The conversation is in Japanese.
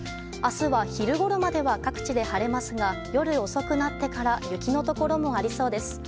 明日は昼ごろまでは各地で晴れますが夜遅くなってから雪のところもありそうです。